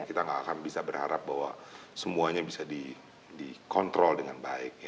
kita nggak akan bisa berharap bahwa semuanya bisa dikontrol dengan baik